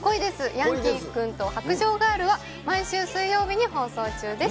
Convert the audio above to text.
ヤンキー君と白杖ガールは、毎週水曜日に放送中です。